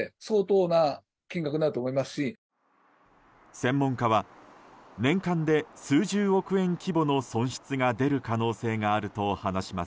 専門家は年間で数十億円規模の損失が出る可能性があると話します。